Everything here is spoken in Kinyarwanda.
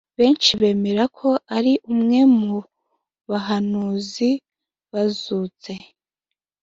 Benshi bemera ko ari umwe mu bahanuzi bazutse